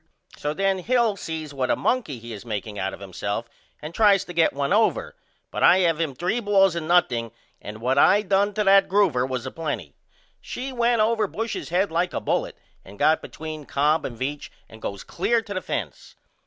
So then Hill sees what a monkey he is makeing out of himself and tries to get one over, but I have him 3 balls and nothing and what I done to that groover was a plenty. She went over Bush's head like a bullet and got between Cobb and Veach and goes clear to the fence.